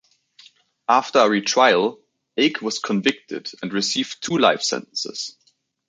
After a retrial, Ake was convicted and received two life sentences.